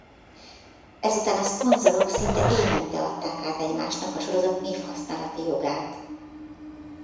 Ezután a szponzorok szinte évente adták át egymásnak a sorozat névhasználati jogát.